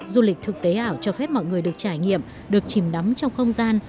du lịch thực tế ảo cho phép mọi người được trải nghiệm được chìm nắm trong không gian